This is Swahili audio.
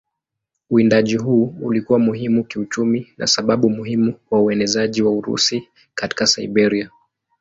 Uwindaji huu ulikuwa muhimu kiuchumi na sababu muhimu kwa uenezaji wa Urusi katika Siberia.